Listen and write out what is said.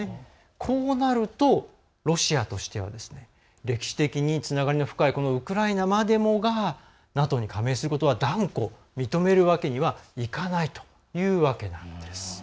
こうなるとロシアとしては歴史的につながりの深いウクライナまでもがＮＡＴＯに加盟することは断固認めることはいかないというわけなんです。